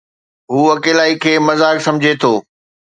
هو اڪيلائي کي مذاق سمجهي ٿو